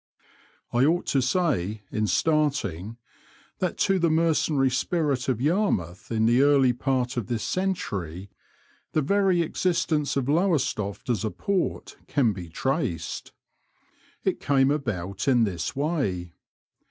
I ought to say, in starting, that to the mercenary spirit of Yarmouth in the early part of this century the very existence of Lowestoft as a port can be traced. It came about in this way.